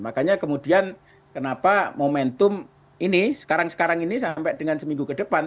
makanya kemudian kenapa momentum ini sekarang sekarang ini sampai dengan seminggu ke depan